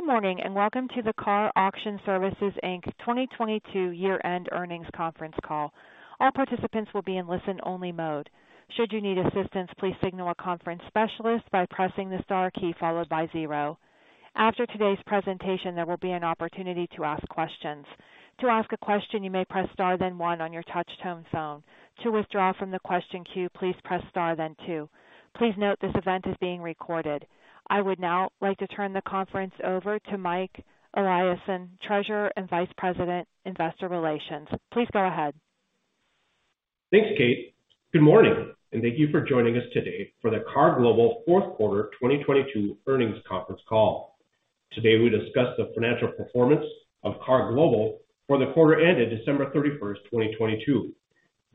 Good morning, and welcome to the KAR Auction Services Inc 2022 Year-End Earnings Conference Call. All participants will be in listen-only mode. Should you need assistance, please signal a conference specialist by pressing the star key followed by zero. After today's presentation, there will be an opportunity to ask questions. To ask a question, you may press star then one on your touchtone phone. To withdraw from the question queue, please press star then two. Please note this event is being recorded. I would now like to turn the conference over to Mike Eliason, Treasurer and Vice President Investor Relations. Please go ahead. Thanks, Kate. Good morning, thank you for joining us today for the KAR Global Fourth Quarter 2022 Earnings Conference Call. Today, we discuss the financial performance of KAR Global for the quarter ended December 31st, 2022.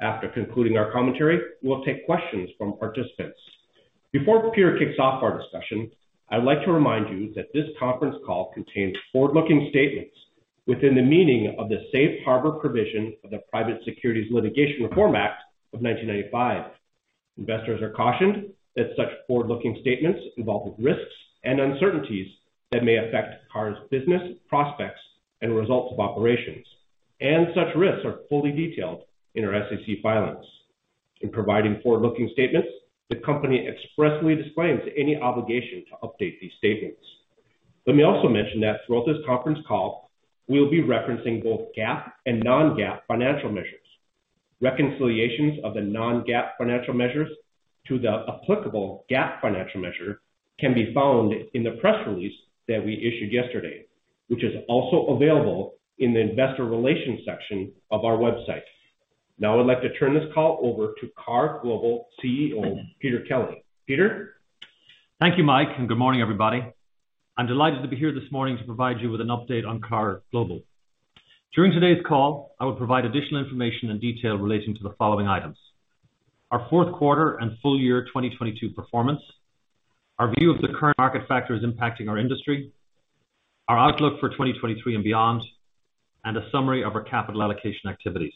After concluding our commentary, we'll take questions from participants. Before Peter kicks off our discussion, I'd like to remind you that this conference call contains forward-looking statements within the meaning of the safe harbor provision of the Private Securities Litigation Reform Act of 1995. Investors are cautioned that such forward-looking statements involve risks and uncertainties that may affect KAR's business, prospects and results of operations, and such risks are fully detailed in our SEC filings. In providing forward-looking statements, the company expressly disclaims any obligation to update these statements. Let me also mention that throughout this conference call, we'll be referencing both GAAP and non-GAAP financial measures. Reconciliations of the Non-GAAP financial measures to the applicable GAAP financial measure can be found in the press release that we issued yesterday, which is also available in the investor relations section of our website. Now I'd like to turn this call over to KAR Global CEO, Peter Kelly. Peter? Thank you, Mike, and good morning, everybody. I'm delighted to be here this morning to provide you with an update on KAR Global. During today's call, I will provide additional information and detail relating to the following items. Our fourth quarter and full year 2022 performance, our view of the current market factors impacting our industry, our outlook for 2023 and beyond, and a summary of our capital allocation activities.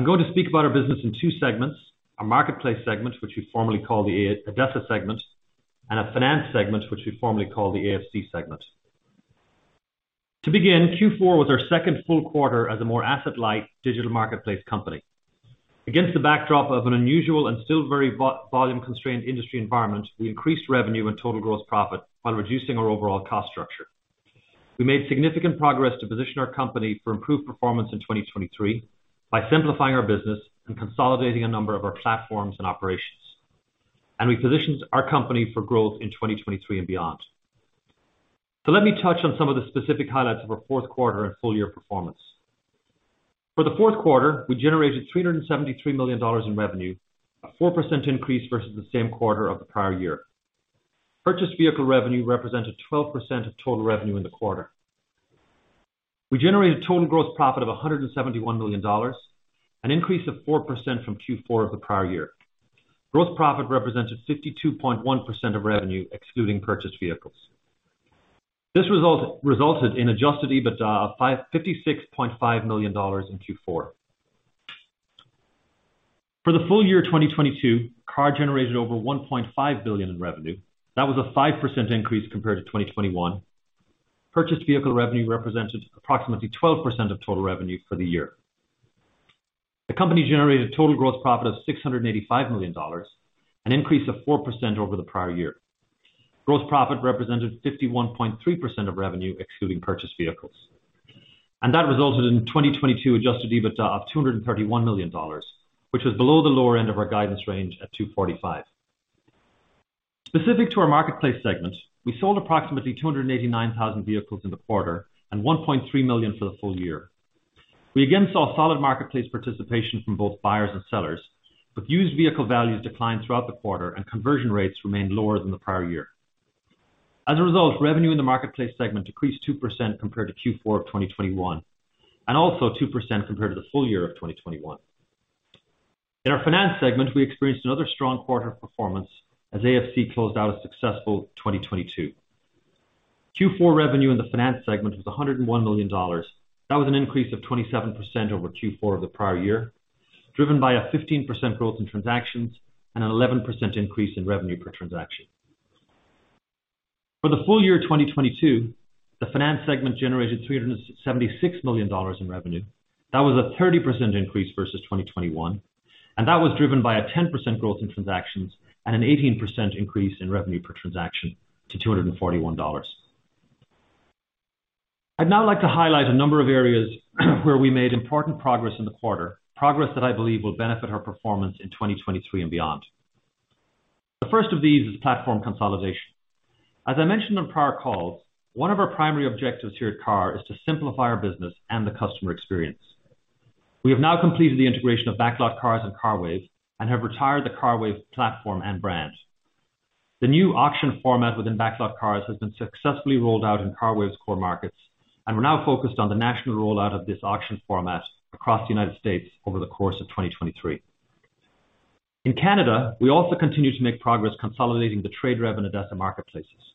I'm going to speak about our business in two segments, our marketplace segment, which we formerly called the ADESA segment, and our finance segment, which we formerly called the AFC segment. To begin, Q4 was our second full quarter as a more asset-light digital marketplace company. Against the backdrop of an unusual and still very volume constrained industry environment, we increased revenue and total gross profit while reducing our overall cost structure. We made significant progress to position our company for improved performance in 2023 by simplifying our business and consolidating a number of our platforms and operations. We positioned our company for growth in 2023 and beyond. Let me touch on some of the specific highlights of our fourth quarter and full year performance. For the fourth quarter, we generated $373 million in revenue, a 4% increase versus the same quarter of the prior year. Purchased vehicle revenue represented 12% of total revenue in the quarter. We generated total gross profit of $171 million, an increase of 4% from Q4 of the prior year. Gross profit represented 52.1% of revenue, excluding purchased vehicles. This result resulted in Adjusted EBITDA of $56.5 million in Q4. For the full year 2022, KAR generated over $1.5 billion in revenue. That was a 5% increase compared to 2021. Purchased vehicle revenue represented approximately 12% of total revenue for the year. The company generated total gross profit of $685 million, an increase of 4% over the prior year. Gross profit represented 51.3% of revenue, excluding purchased vehicles. That resulted in 2022 Adjusted EBITDA of $231 million, which was below the lower end of our guidance range at $245. Specific to our marketplace segment, we sold approximately 289,000 vehicles in the quarter and 1.3 million for the full year. We again saw solid marketplace participation from both buyers and sellers, with used vehicle values declined throughout the quarter and conversion rates remained lower than the prior year. Revenue in the marketplace segment decreased 2% compared to Q4 of 2021, and also 2% compared to the full year of 2021. We experienced another strong quarter of performance as AFC closed out a successful 2022. Q4 revenue in the finance segment was $101 million. That was an increase of 27% over Q4 of the prior year, driven by a 15% growth in transactions and an 11% increase in revenue per transaction. The finance segment generated $376 million in revenue. That was a 30% increase versus 2021, that was driven by a 10% growth in transactions and an 18% increase in revenue per transaction to $241. I'd now like to highlight a number of areas where we made important progress in the quarter, progress that I believe will benefit our performance in 2023 and beyond. The first of these is platform consolidation. As I mentioned on prior calls, one of our primary objectives here at KAR is to simplify our business and the customer experience. We have now completed the integration of BacklotCars and CARWAVE and have retired the CARWAVE platform and brand. The new auction format within BacklotCars has been successfully rolled out in CARWAVE's core markets, we're now focused on the national rollout of this auction format across the United States over the course of 2023. In Canada, we also continue to make progress consolidating the TradeRev and ADESA marketplaces.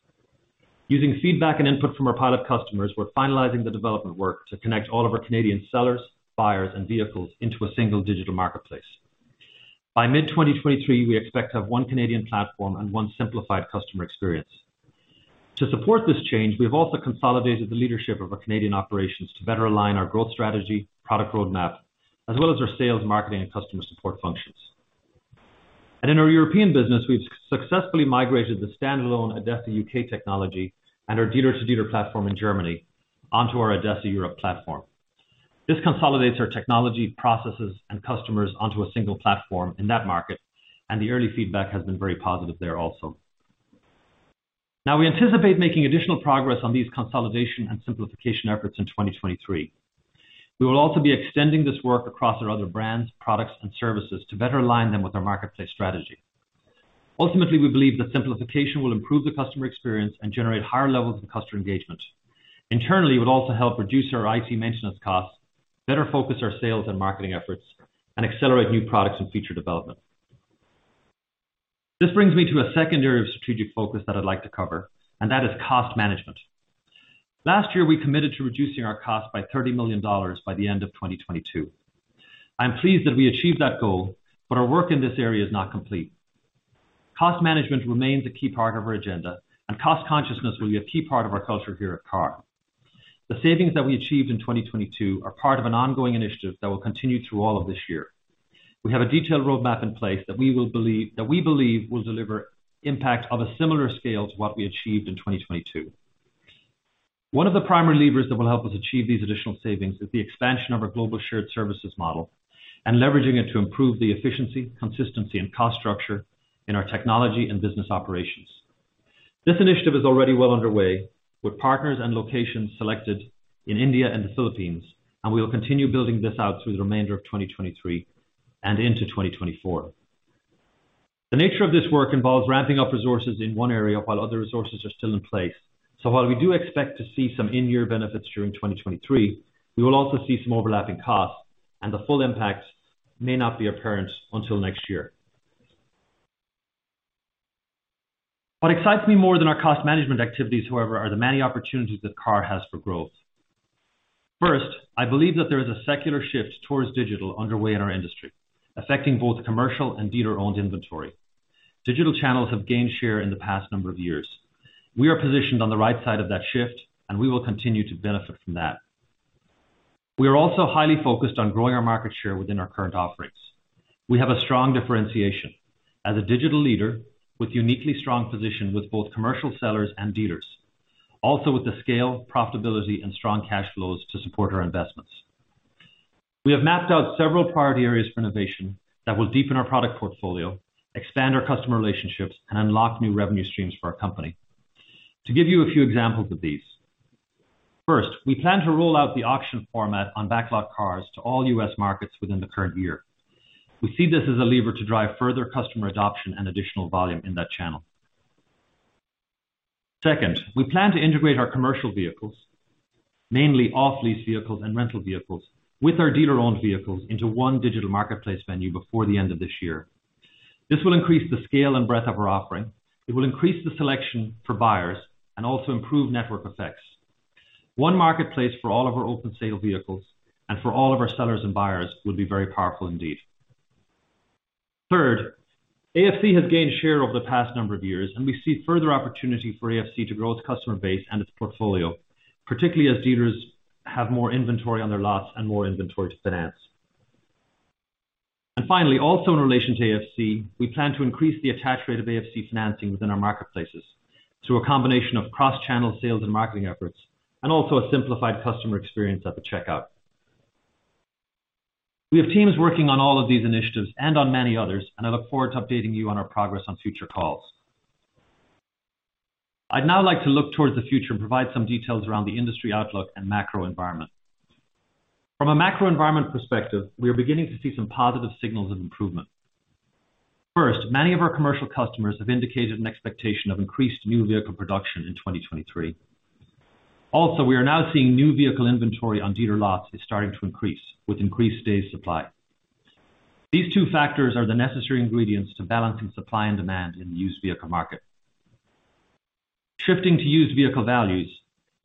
Using feedback and input from our pilot customers, we're finalizing the development work to connect all of our Canadian sellers, buyers, and vehicles into a single digital marketplace. By mid-2023, we expect to have one Canadian platform and one simplified customer experience. To support this change, we have also consolidated the leadership of our Canadian operations to better align our growth strategy, product roadmap, as well as our sales, marketing, and customer support functions. In our European business, we've successfully migrated the standalone ADESA UK technology and our dealer-to-dealer platform in Germany onto our ADESA Europe platform. This consolidates our technology, processes, and customers onto a single platform in that market, and the early feedback has been very positive there also. Now, we anticipate making additional progress on these consolidation and simplification efforts in 2023. We will also be extending this work across our other brands, products, and services to better align them with our marketplace strategy. Ultimately, we believe that simplification will improve the customer experience and generate higher levels of customer engagement. Internally, it will also help reduce our IT maintenance costs, better focus our sales and marketing efforts, and accelerate new products and feature development. This brings me to a second area of strategic focus that I'd like to cover, and that is cost management. Last year, we committed to reducing our costs by $30 million by the end of 2022. I'm pleased that we achieved that goal, but our work in this area is not complete. Cost management remains a key part of our agenda, and cost consciousness will be a key part of our culture here at KAR. The savings that we achieved in 2022 are part of an ongoing initiative that will continue through all of this year. We have a detailed roadmap in place that we believe will deliver impact of a similar scale to what we achieved in 2022. One of the primary levers that will help us achieve these additional savings is the expansion of our global shared services model and leveraging it to improve the efficiency, consistency, and cost structure in our technology and business operations. This initiative is already well underway with partners and locations selected in India and the Philippines, and we will continue building this out through the remainder of 2023 and into 2024. The nature of this work involves ramping up resources in one area while other resources are still in place. While we do expect to see some in-year benefits during 2023, we will also see some overlapping costs and the full impact may not be apparent until next year. What excites me more than our cost management activities, however, are the many opportunities that KAR has for growth. First, I believe that there is a secular shift towards digital underway in our industry, affecting both commercial and dealer-owned inventory. Digital channels have gained share in the past number of years. We are positioned on the right side of that shift, and we will continue to benefit from that. We are also highly focused on growing our market share within our current offerings. We have a strong differentiation as a digital leader with uniquely strong position with both commercial sellers and dealers, also with the scale, profitability, and strong cash flows to support our investments. We have mapped out several priority areas for innovation that will deepen our product portfolio, expand our customer relationships, and unlock new revenue streams for our company. To give you a few examples of these. First, we plan to roll out the auction format on BacklotCars to all U.S. markets within the current year. We see this as a lever to drive further customer adoption and additional volume in that channel. Second, we plan to integrate our commercial vehicles, mainly off-lease vehicles and rental vehicles, with our dealer-owned vehicles into one digital marketplace venue before the end of this year. This will increase the scale and breadth of our offering. It will increase the selection for buyers and also improve network effects. One marketplace for all of our open sale vehicles and for all of our sellers and buyers will be very powerful indeed. Third, AFC has gained share over the past number of years, and we see further opportunity for AFC to grow its customer base and its portfolio, particularly as dealers have more inventory on their lots and more inventory to finance. Finally, also in relation to AFC, we plan to increase the attach rate of AFC financing within our marketplaces through a combination of cross-channel sales and marketing efforts, and also a simplified customer experience at the checkout. We have teams working on all of these initiatives and on many others, and I look forward to updating you on our progress on future calls. I'd now like to look towards the future and provide some details around the industry outlook and macro environment. From a macro environment perspective, we are beginning to see some positive signals of improvement. First, many of our commercial customers have indicated an expectation of increased new vehicle production in 2023. We are now seeing new vehicle inventory on dealer lots is starting to increase with increased days supply. These two factors are the necessary ingredients to balancing supply and demand in the used vehicle market. Shifting to used vehicle values,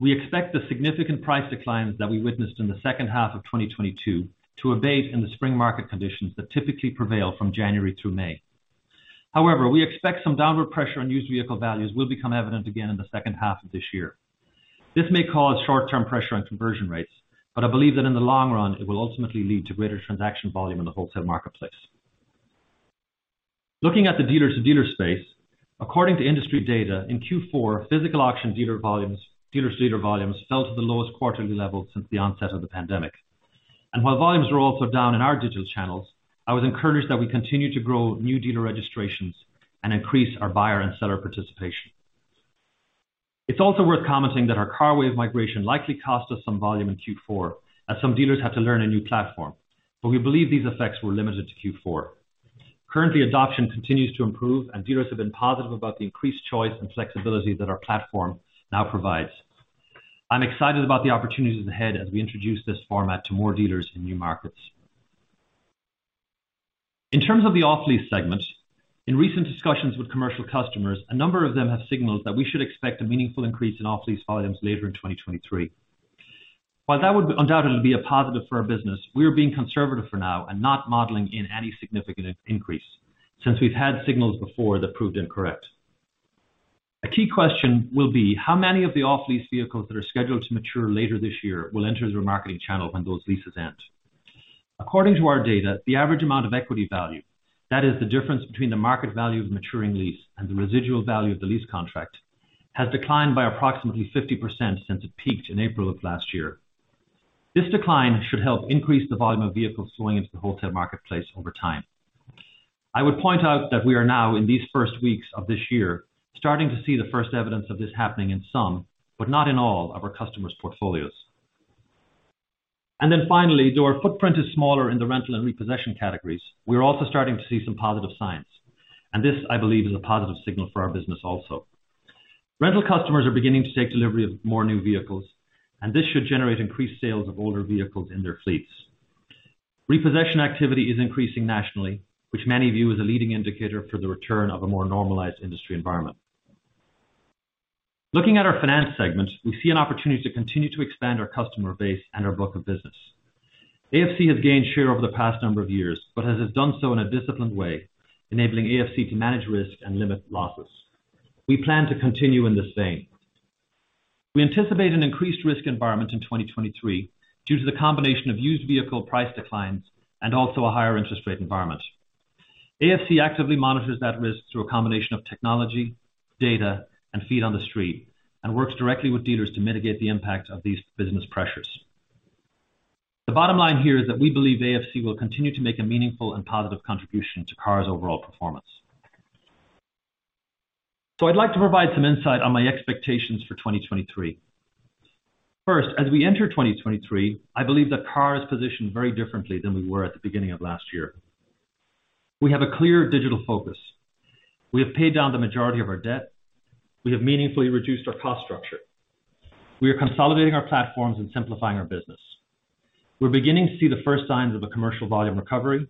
we expect the significant price declines that we witnessed in the second half of 2022 to abate in the spring market conditions that typically prevail from January through May. We expect some downward pressure on used vehicle values will become evident again in the second half of this year. This may cause short-term pressure on conversion rates. I believe that in the long run, it will ultimately lead to greater transaction volume in the wholesale marketplace. Looking at the dealer-to-dealer space, according to industry data, in Q4, physical auction dealer-to-dealer volumes fell to the lowest quarterly level since the onset of the pandemic. While volumes were also down in our digital channels, I was encouraged that we continued to grow new dealer registrations and increase our buyer and seller participation. It's also worth commenting that our CARWAVE migration likely cost us some volume in Q4 as some dealers had to learn a new platform. We believe these effects were limited to Q4. Currently, adoption continues to improve and dealers have been positive about the increased choice and flexibility that our platform now provides. I'm excited about the opportunities ahead as we introduce this format to more dealers in new markets. In terms of the off-lease segment, in recent discussions with commercial customers, a number of them have signaled that we should expect a meaningful increase in off-lease volumes later in 2023. While that would undoubtedly be a positive for our business, we are being conservative for now and not modeling in any significant increase since we've had signals before that proved incorrect. A key question will be how many of the off-lease vehicles that are scheduled to mature later this year will enter the marketing channel when those leases end. According to our data, the average amount of equity value, that is the difference between the market value of maturing lease and the residual value of the lease contract, has declined by approximately 50% since it peaked in April of last year. This decline should help increase the volume of vehicles flowing into the wholesale marketplace over time. I would point out that we are now in these first weeks of this year, starting to see the first evidence of this happening in some, but not in all of our customers portfolios. Finally, though our footprint is smaller in the rental and repossession categories, we are also starting to see some positive signs, and this, I believe, is a positive signal for our business also. Rental customers are beginning to take delivery of more new vehicles, and this should generate increased sales of older vehicles in their fleets. Repossession activity is increasing nationally, which many view as a leading indicator for the return of a more normalized industry environment. Looking at our finance segment, we see an opportunity to continue to expand our customer base and our book of business. AFC has gained share over the past number of years, but has it done so in a disciplined way, enabling AFC to manage risk and limit losses. We plan to continue in the same. We anticipate an increased risk environment in 2023 due to the combination of used vehicle price declines and also a higher interest rate environment. AFC actively monitors that risk through a combination of technology, data, and feet on the street, and works directly with dealers to mitigate the impacts of these business pressures. The bottom line here is that we believe AFC will continue to make a meaningful and positive contribution to KAR's overall performance. I'd like to provide some insight on my expectations for 2023. First, as we enter 2023, I believe that KAR is positioned very differently than we were at the beginning of last year. We have a clear digital focus. We have paid down the majority of our debt. We have meaningfully reduced our cost structure. We are consolidating our platforms and simplifying our business. We're beginning to see the first signs of a commercial volume recovery.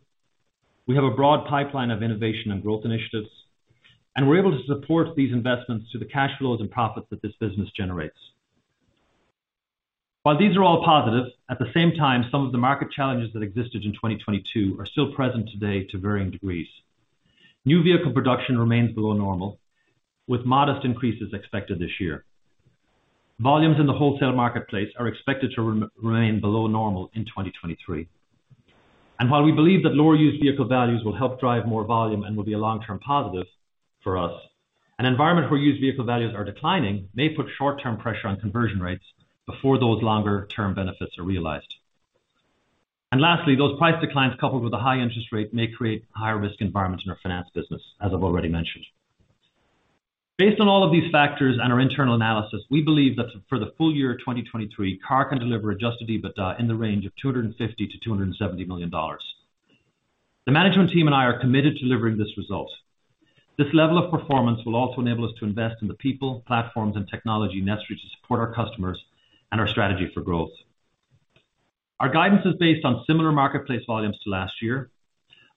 We have a broad pipeline of innovation and growth initiatives, and we're able to support these investments through the cash flows and profits that this business generates. While these are all positive, at the same time, some of the market challenges that existed in 2022 are still present today to varying degrees. New vehicle production remains below normal, with modest increases expected this year. Volumes in the wholesale marketplace are expected to remain below normal in 2023. While we believe that lower used vehicle values will help drive more volume and will be a long-term positive for us, an environment where used vehicle values are declining may put short-term pressure on conversion rates before those longer term benefits are realized. Lastly, those price declines, coupled with a high interest rate, may create a higher risk environment in our finance business, as I've already mentioned. Based on all of these factors and our internal analysis, we believe that for the full year 2023, KAR can deliver Adjusted EBITDA in the range of $250 million-$270 million. The management team and I are committed to delivering this result. This level of performance will also enable us to invest in the people, platforms and technology necessary to support our customers and our strategy for growth. Our guidance is based on similar marketplace volumes to last year.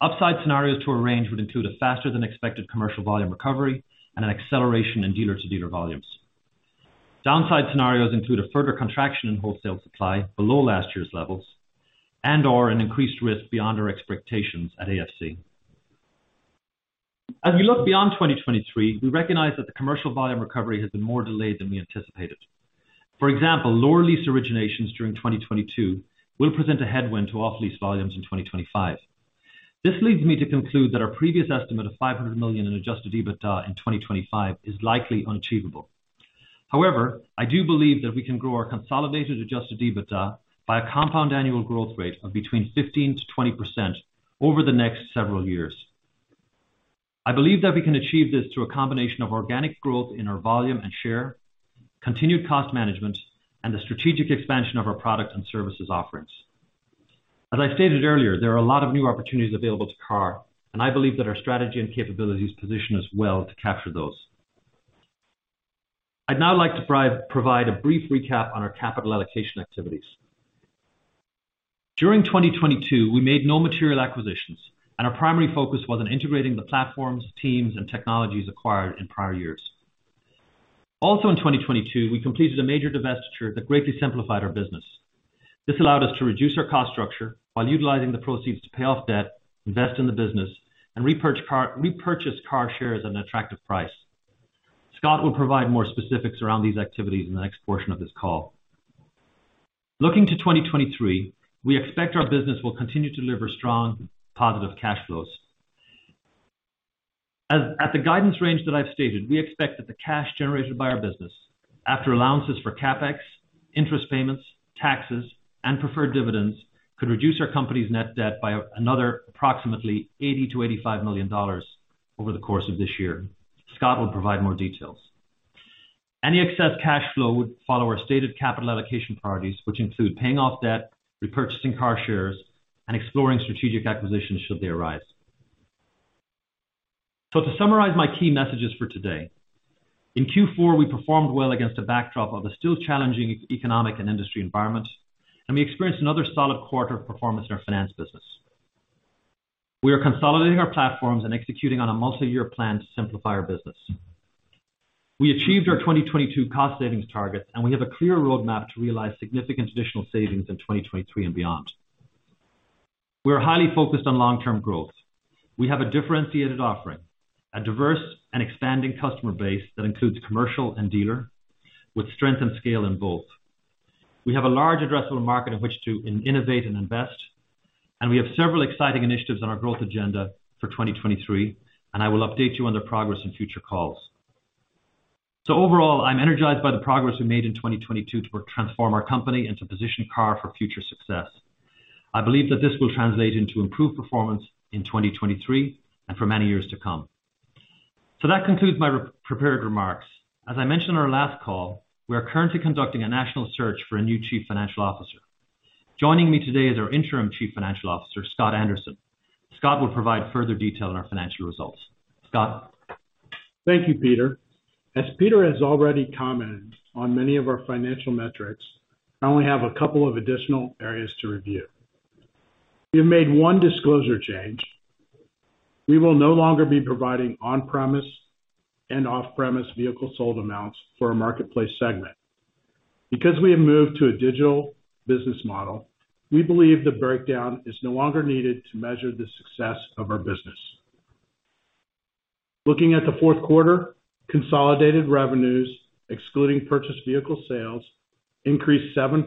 Upside scenarios to a range would include a faster than expected commercial volume recovery and an acceleration in dealer to dealer volumes. Downside scenarios include a further contraction in wholesale supply below last year's levels and or an increased risk beyond our expectations at AFC. As we look beyond 2023, we recognize that the commercial volume recovery has been more delayed than we anticipated. For example, lower lease originations during 2022 will present a headwind to off-lease volumes in 2025. This leads me to conclude that our previous estimate of $500 million in Adjusted EBITDA in 2025 is likely unachievable. However, I do believe that we can grow our consolidated Adjusted EBITDA by a compound annual growth rate of between 15%-20% over the next several years. I believe that we can achieve this through a combination of organic growth in our volume and share, continued cost management, and the strategic expansion of our products and services offerings. As I stated earlier, there are a lot of new opportunities available to KAR, and I believe that our strategy and capabilities position us well to capture those. I'd now like to provide a brief recap on our capital allocation activities. During 2022, we made no material acquisitions and our primary focus was on integrating the platforms, teams, and technologies acquired in prior years. In 2022, we completed a major divestiture that greatly simplified our business. This allowed us to reduce our cost structure while utilizing the proceeds to pay off debt, invest in the business and repurchase KAR shares at an attractive price. Scott will provide more specifics around these activities in the next portion of this call. Looking to 2023, we expect our business will continue to deliver strong positive cash flows. As at the guidance range that I've stated, we expect that the cash generated by our business after allowances for CapEx, interest payments, taxes and preferred dividends, could reduce our company's net debt by another approximately $80 million-$85 million over the course of this year. Scott will provide more details. Any excess cash flow would follow our stated capital allocation priorities, which include paying off debt, repurchasing KAR shares, and exploring strategic acquisitions should they arise. To summarize my key messages for today, in Q4 we performed well against a backdrop of a still challenging economic and industry environment, and we experienced another solid quarter of performance in our finance business. We are consolidating our platforms and executing on a multi-year plan to simplify our business. We achieved our 2022 cost savings targets, and we have a clear roadmap to realize significant additional savings in 2023 and beyond. We are highly focused on long-term growth. We have a differentiated offering, a diverse and expanding customer base that includes commercial and dealer with strength and scale in both. We have a large addressable market in which to innovate and invest, and we have several exciting initiatives on our growth agenda for 2023, and I will update you on their progress in future calls. Overall, I'm energized by the progress we made in 2022 to transform our company and to position KAR for future success. I believe that this will translate into improved performance in 2023 and for many years to come. That concludes my prepared remarks. As I mentioned in our last call, we are currently conducting a national search for a new chief financial officer. Joining me today is our Interim Chief Financial Officer, Scott Anderson. Scott will provide further detail on our financial results. Scott. Thank you, Peter. As Peter has already commented on many of our financial metrics, I only have a couple of additional areas to review. We have made one disclosure change. We will no longer be providing on-premise and off-premise vehicle sold amounts for our marketplace segment. Because we have moved to a digital business model, we believe the breakdown is no longer needed to measure the success of our business. Looking at the fourth quarter, consolidated revenues, excluding purchased vehicle sales, increased 7%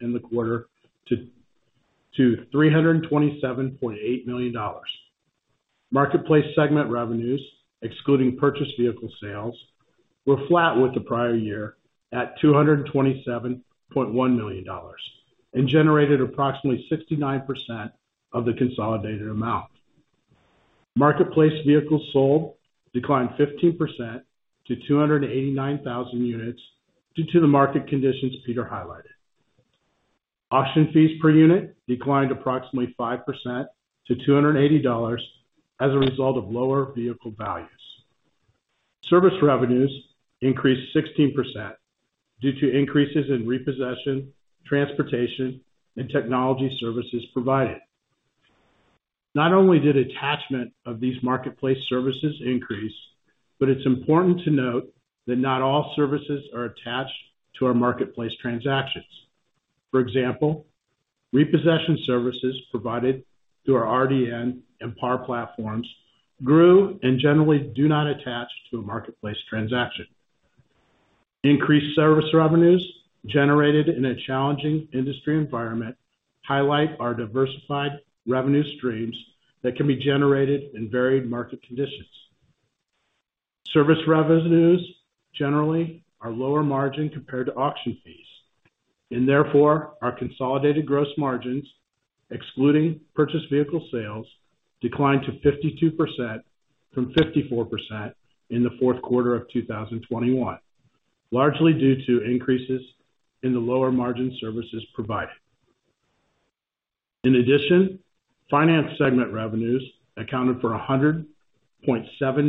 in the quarter to $327.8 million. Marketplace segment revenues, excluding purchased vehicle sales, were flat with the prior year at $227.1 million and generated approximately 69% of the consolidated amount. Marketplace vehicles sold declined 15% to 289,000 units due to the market conditions Peter highlighted. Auction fees per unit declined approximately 5% to $280 as a result of lower vehicle values. Service revenues increased 16% due to increases in repossession, transportation, and technology services provided. Attachment of these marketplace services increased, but it's important to note that not all services are attached to our marketplace transactions. For example, repossession services provided through our RDN and PAR platforms grew and generally do not attach to a marketplace transaction. Increased service revenues generated in a challenging industry environment highlight our diversified revenue streams that can be generated in varied market conditions. Service revenues generally are lower margin compared to auction fees, and therefore, our consolidated gross margins, excluding purchased vehicle sales, declined to 52% from 54% in the fourth quarter of 2021, largely due to increases in the lower margin services provided. Finance segment revenues accounted for $100.7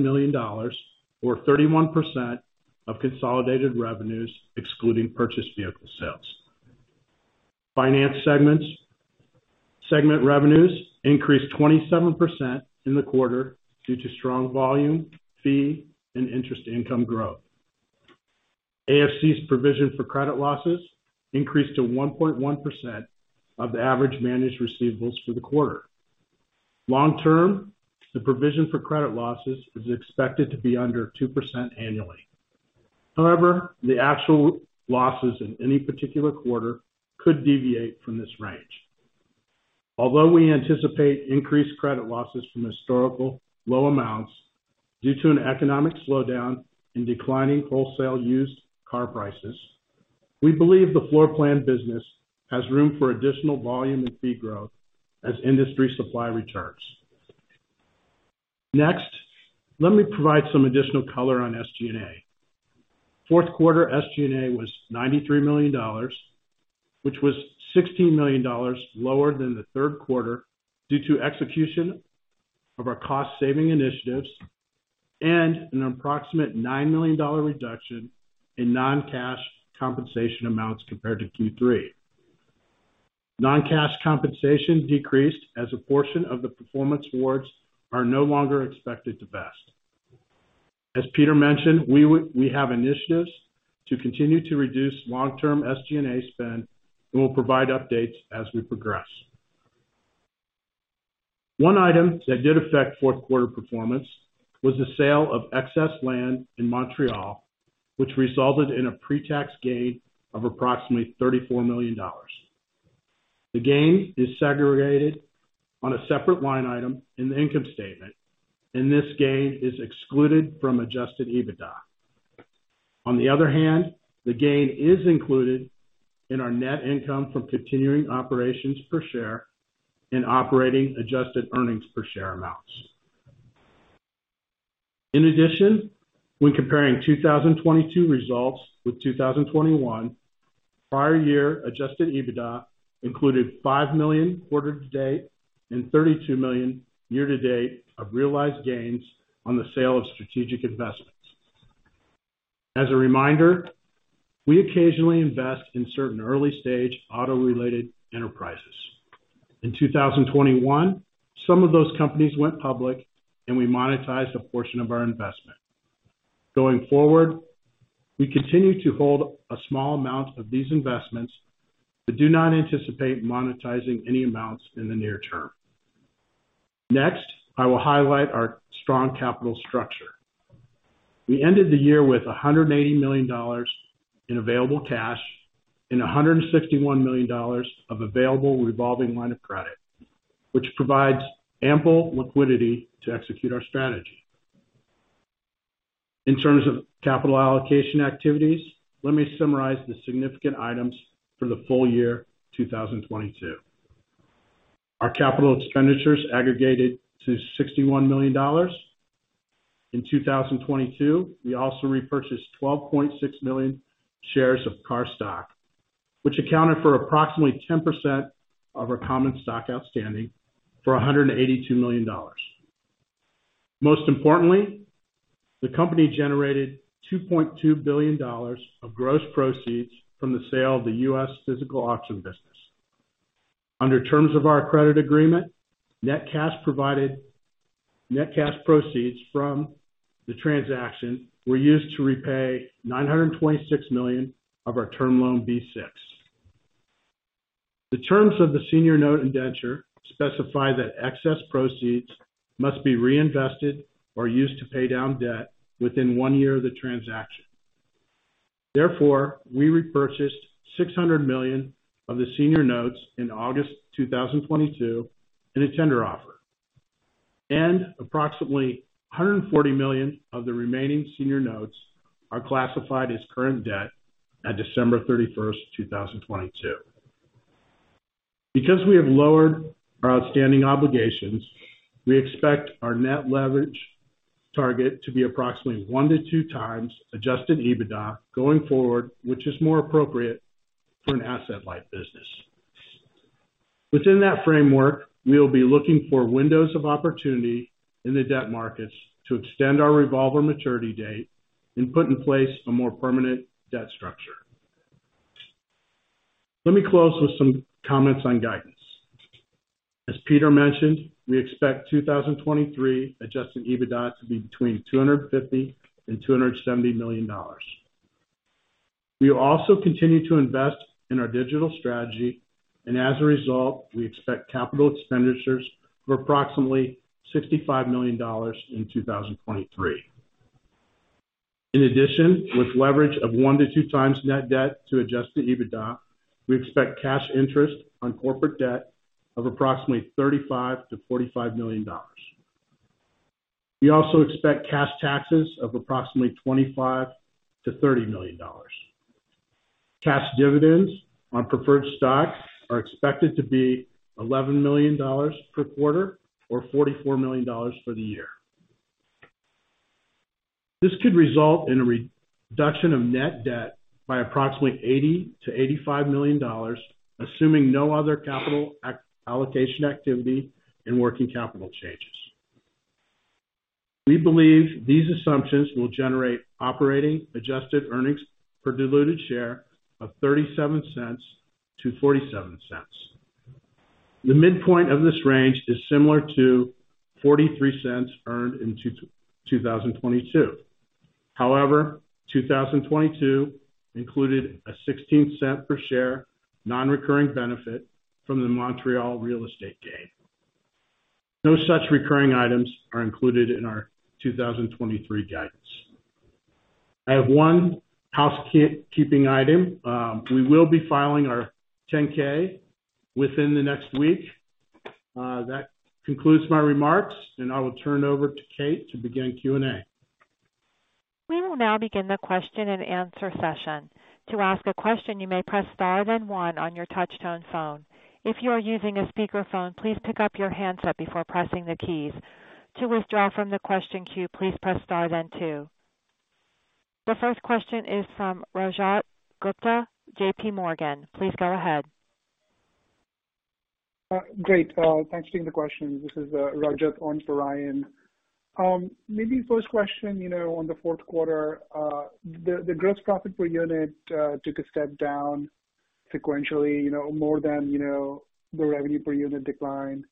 million or 31% of consolidated revenues, excluding purchased vehicle sales. Finance segment revenues increased 27% in the quarter due to strong volume, fee, and interest income growth. AFC's provision for credit losses increased to 1.1% of the average managed receivables for the quarter. Long term, the provision for credit losses is expected to be under 2% annually. The actual losses in any particular quarter could deviate from this range. We anticipate increased credit losses from historical low amounts due to an economic slowdown in declining wholesale used car prices, we believe the floorplan business has room for additional volume and fee growth as industry supply returns. Let me provide some additional color on SG&A. Fourth quarter SG&A was $93 million, which was $16 million lower than the third quarter due to execution of our cost-saving initiatives and an approximate $9 million reduction in non-cash compensation amounts compared to Q3. Non-cash compensation decreased as a portion of the performance awards are no longer expected to vest. As Peter mentioned, we have initiatives to continue to reduce long-term SG&A spend, and we'll provide updates as we progress. One item that did affect fourth quarter performance was the sale of excess land in Montreal, which resulted in a pre-tax gain of approximately $34 million. The gain is segregated on a separate line item in the income statement, and this gain is excluded from Adjusted EBITDA. On the other hand, the gain is included in our net income from continuing operations per share and operating adjusted earnings per share amounts. When comparing 2022 results with 2021, prior year Adjusted EBITDA included $5 million quarter to date and $32 million year to date of realized gains on the sale of strategic investments. As a reminder, we occasionally invest in certain early-stage auto-related enterprises. In 2021, some of those companies went public, and we monetized a portion of our investment. Going forward, we continue to hold a small amount of these investments, but do not anticipate monetizing any amounts in the near term. Next, I will highlight our strong capital structure. We ended the year with $180 million in available cash and $161 million of available revolving line of credit, which provides ample liquidity to execute our strategy. In terms of capital allocation activities, let me summarize the significant items for the full year 2022. Our capital expenditures aggregated to $61 million. In 2022, we also repurchased 12.6 million shares of KAR stock, which accounted for approximately 10% of our common stock outstanding for $182 million. Most importantly, the company generated $2.2 billion of gross proceeds from the sale of the U.S. physical auction business. Under terms of our credit agreement, net cash proceeds from the transaction were used to repay $926 million of our Term Loan B6. The terms of the senior note indenture specify that excess proceeds must be reinvested or used to pay down debt within one year of the transaction. We repurchased $600 million of the senior notes in August 2022 in a tender offer, and approximately $140 million of the remaining senior notes are classified as current debt at December 31st, 2022. We have lowered our outstanding obligations, we expect our net leverage target to be approximately 1x-2x Adjusted EBITDA going forward, which is more appropriate for an asset-light business. Within that framework, we will be looking for windows of opportunity in the debt markets to extend our revolver maturity date and put in place a more permanent debt structure. Let me close with some comments on guidance. As Peter mentioned, we expect 2023 Adjusted EBITDA to be between $250 million and $270 million. We will also continue to invest in our digital strategy and as a result, we expect capital expenditures of approximately $65 million in 2023. In addition, with leverage of 1x-2x net debt to Adjusted EBITDA, we expect cash interest on corporate debt of approximately $35 million-$45 million. We also expect cash taxes of approximately $25 million-$30 million. Cash dividends on preferred stocks are expected to be $11 million per quarter or $44 million for the year. This could result in a reduction of net debt by approximately $80 million-$85 million, assuming no other capital allocation activity and working capital changes. We believe these assumptions will generate operating adjusted earnings per diluted share of $0.37-$0.47. The midpoint of this range is similar to $0.43 earned in 2022. 2022 included a $0.16 per share non-recurring benefit from the Montreal real estate gain. No such recurring items are included in our 2023 guidance. I have one housekeeping item. We will be filing our 10-K within the next week. That concludes my remarks, and I will turn over to Kate to begin Q&A. We will now begin the question and answer session. To ask a question, you may press star then one on your touchtone phone. If you are using a speaker phone, please pick up your handset before pressing the keys. To withdraw from the question queue, please press star then two. The first question is from Rajat Gupta, JPMorgan. Please go ahead. Great. Thanks for taking the question. This is Rajat, one for Ryan. Maybe first question, you know, on the fourth quarter. The gross profit per unit took a step down sequentially, you know, more than, you know, the revenue per unit decline.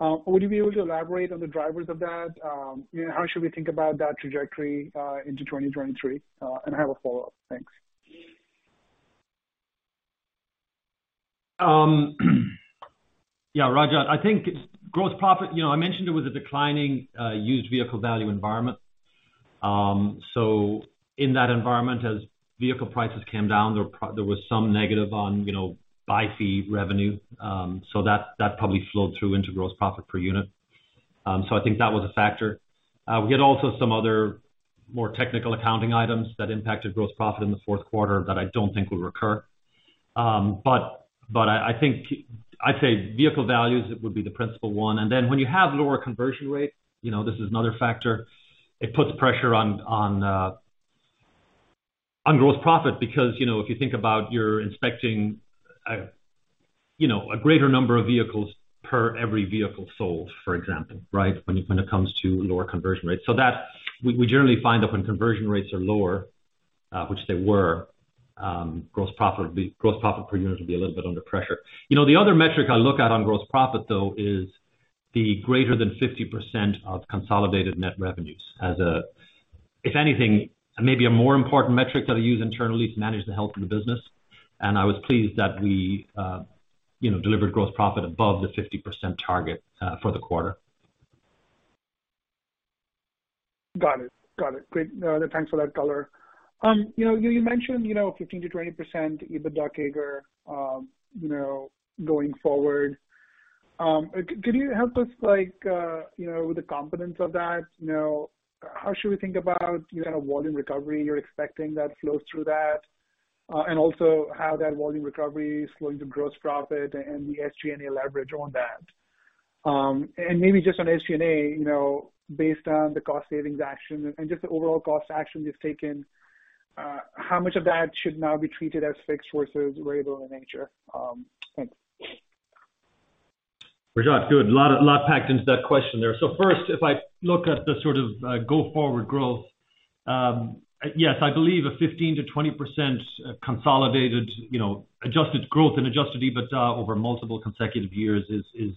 Would you be able to elaborate on the drivers of that? You know, how should we think about that trajectory into 2023? And I have a follow-up. Thanks. Yeah, Rajat. I think gross profit. You know, I mentioned it was a declining used vehicle value environment. In that environment, as vehicle prices came down, there was some negative on, you know, buy fee revenue. That, that probably flowed through into gross profit per unit. I think that was a factor. We had also some other more technical accounting items that impacted gross profit in the fourth quarter that I don't think will recur. But, I think I'd say vehicle values would be the principal one. Then when you have lower conversion rates, you know, this is another factor, it puts pressure on gross profit because, you know, if you think about you're inspecting. You know, a greater number of vehicles per every vehicle sold, for example, right? When it comes to lower conversion rates. We generally find that when conversion rates are lower, which they were, gross profit per unit would be a little bit under pressure. You know, the other metric I look at on gross profit, though, is the greater than 50% of consolidated net revenues as, if anything, maybe a more important metric that I use internally to manage the health of the business. I was pleased that we, you know, delivered gross profit above the 50% target, for the quarter. Got it. Got it. Great. Thanks for that color. You mentioned 15%-20% EBITDA CAGR going forward. Could you help us like the confidence of that? How should we think about volume recovery you're expecting that flows through that? Also how that volume recovery is flowing to gross profit and the SG&A leverage on that. Maybe just on SG&A, based on the cost savings action and just the overall cost actions you've taken, how much of that should now be treated as fixed versus variable in nature? Thanks. Rajat. A lot packed into that question there. First, if I look at the sort of go forward growth, yes, I believe a 15%-20% consolidated, you know, adjusted growth and Adjusted EBITDA over multiple consecutive years is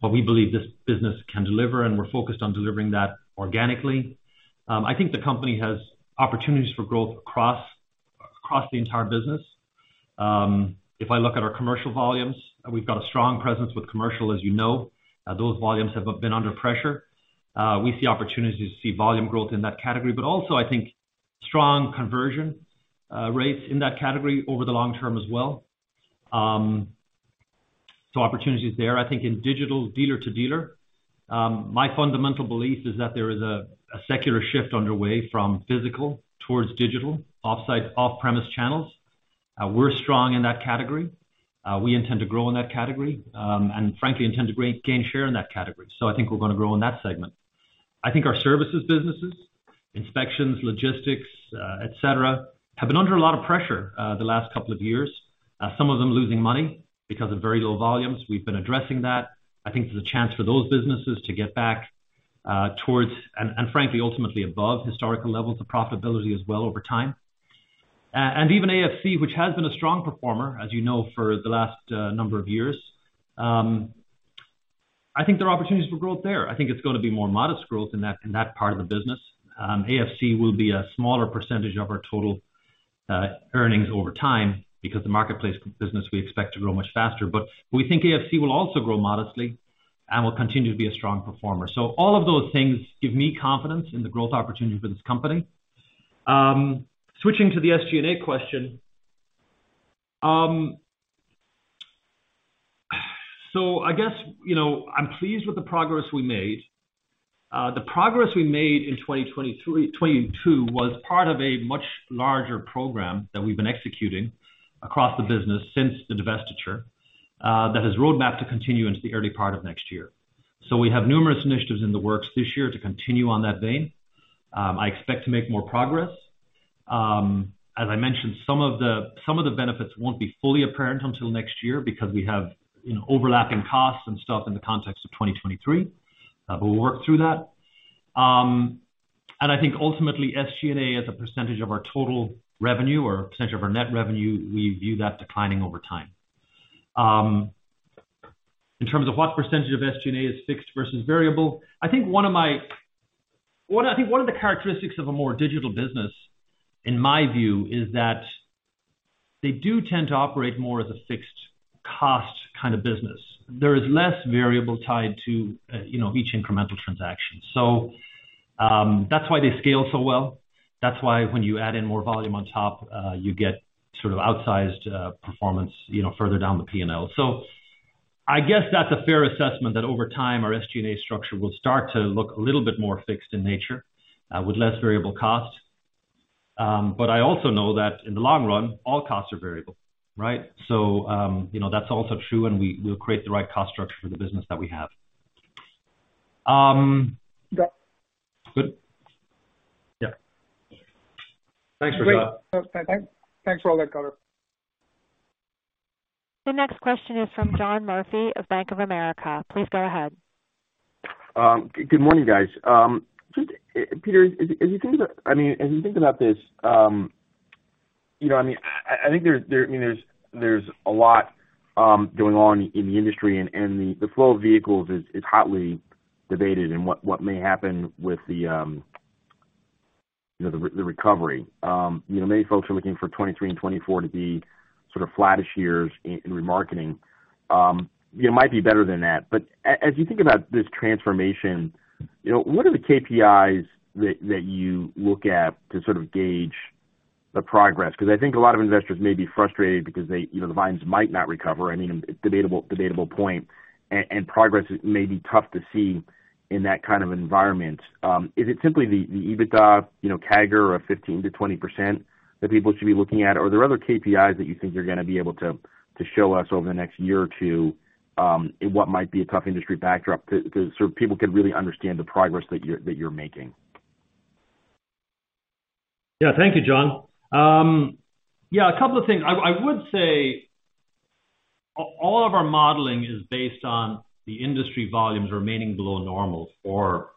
what we believe this business can deliver, and we're focused on delivering that organically. I think the company has opportunities for growth across the entire business. If I look at our commercial volumes, we've got a strong presence with commercial as you know. Those volumes have been under pressure. We see opportunities to see volume growth in that category, but also I think strong conversion rates in that category over the long term as well. Opportunities there. I think in digital dealer-to-dealer, my fundamental belief is that there is a secular shift underway from physical towards digital offsite, off-premise channels. We're strong in that category. We intend to grow in that category, and frankly intend to gain share in that category. I think we're gonna grow in that segment. I think our services businesses, inspections, logistics, et cetera, have been under a lot of pressure the last couple of years. Some of them losing money because of very low volumes. We've been addressing that. I think there's a chance for those businesses to get back towards and frankly, ultimately above historical levels of profitability as well over time. Even AFC, which has been a strong performer, as you know, for the last number of years. I think there are opportunities for growth there. I think it's gonna be more modest growth in that, in that part of the business. AFC will be a smaller percentage of our total earnings over time because the marketplace business we expect to grow much faster. We think AFC will also grow modestly and will continue to be a strong performer. All of those things give me confidence in the growth opportunity for this company. Switching to the SG&A question. I guess, you know, I'm pleased with the progress we made. The progress we made in 2022 was part of a much larger program that we've been executing across the business since the divestiture that has roadmap to continue into the early part of next year. We have numerous initiatives in the works this year to continue on that vein. I expect to make more progress. As I mentioned, some of the benefits won't be fully apparent until next year because we have, you know, overlap in costs and stuff in the context of 2023. We'll work through that. I think ultimately, SG&A as a percentage of our total revenue or percentage of our net revenue, we view that declining over time. In terms of what percentage of SG&A is fixed versus variable, I think one of the characteristics of a more digital business, in my view, is that they do tend to operate more as a fixed cost kind of business. There is less variable tied to, you know, each incremental transaction. That's why they scale so well. That's why when you add in more volume on top, you get sort of outsized performance, you know, further down the P&L. I guess that's a fair assessment that over time, our SG&A structure will start to look a little bit more fixed in nature, with less variable cost. But I also know that in the long run, all costs are variable, right? You know, that's also true, and we'll create the right cost structure for the business that we have. Got it. Good? Yeah. Thanks, Rajat. Great. Thanks for all that color. The next question is from John Murphy of Bank of America. Please go ahead. Good morning, guys. Just, Peter, as you think about this, you know, I mean, I think there's a lot going on in the industry and the flow of vehicles is hotly debated and what may happen with the, you know, the recovery. You know, many folks are looking for 2023 and 2024 to be sort of flattish years in remarketing. It might be better than that. But as you think about this transformation, you know, what are the KPIs that you look at to sort of gauge the progress? Because I think a lot of investors may be frustrated because they, you know, the volumes might not recover. I mean, debatable point. Progress may be tough to see in that kind of environment. Is it simply the EBITDA, you know, CAGR of 15%-20% that people should be looking at? Are there other KPIs that you think you're gonna be able to show us over the next year or two in what might be a tough industry backdrop to sort of people could really understand the progress that you're making? Yeah. Thank you, John. Yeah, a couple of things. I would say all of our modeling is based on the industry volumes remaining below normal for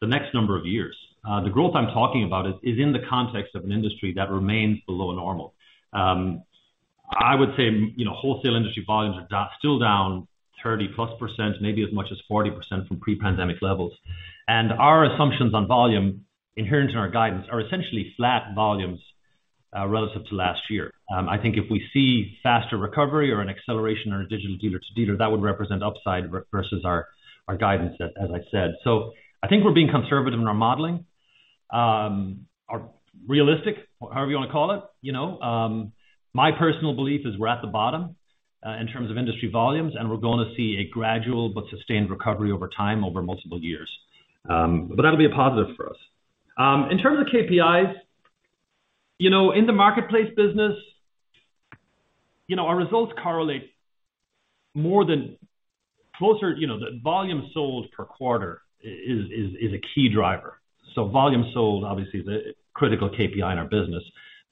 the next number of years. The growth I'm talking about is in the context of an industry that remains below normal. I would say, you know, wholesale industry volumes are still down 30%+, maybe as much as 40% from pre-pandemic levels. Our assumptions on volume inherent in our guidance are essentially flat volumes relative to last year. I think if we see faster recovery or an acceleration on our digital dealer to dealer, that would represent upside versus our guidance, as I said. I think we're being conservative in our modeling, or realistic or however you wanna call it, you know. My personal belief is we're at the bottom in terms of industry volumes, and we're going to see a gradual but sustained recovery over time over multiple years. That'll be a positive for us. In terms of KPIs, you know, in the marketplace business, you know, our results correlate more than closer, you know, the volume sold per quarter is a key driver. Volume sold obviously is a critical KPI in our business.